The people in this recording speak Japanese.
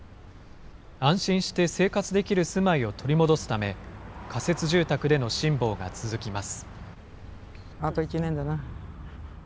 安心して生活できる住まいを取り戻すため、仮設住宅での辛抱が続きます。